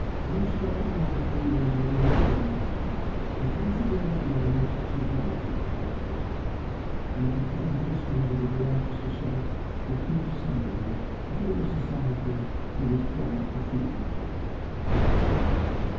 Transparently honest though he was in all things, I fancy the old gentleman had a touch of vanity in his composition, and I could quite understand that he would be anxious to show off his future son in law before the society of his quiet cathedral town.